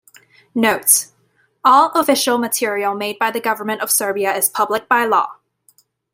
Note: All official material made by the Government of Serbia is public by law.